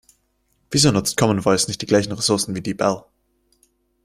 Wieso nutzt Common Voice nicht die gleichen Resourcen wie Deep-L?